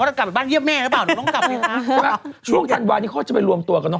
เป็นลูกที่ดีแล้วต้องกับบ้านเข้าอีกนิด